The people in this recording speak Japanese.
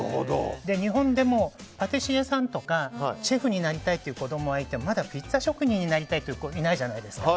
日本でもパティシエさんとかシェフになりたいという子供はいてもまだ、ピッツァ職人になりたいという子はいないじゃないですか。